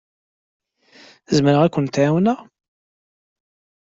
Zemreɣ ad kent-ɛawneɣ?